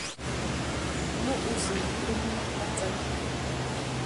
No úsïnka tumina patsani.